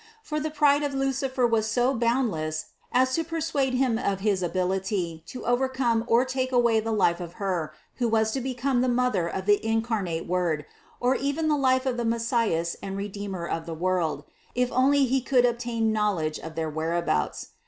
For the pride of Lucifer was so boundless as to persuade him of his abil ity to overcome or take away the life of Her, who was to be the Mother of the incarnate Word, or even the life of the Messias and Redeemer of the world, if only he could obtain knowledge of their whereabouts.